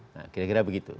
nah kira kira begitu